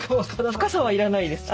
深さは要らないです。